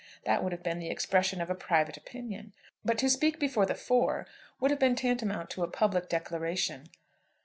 That would have been the expression of a private opinion; but to speak before the four would have been tantamount to a public declaration.